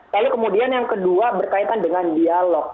lalu kemudian yang kedua berkaitan dengan dialog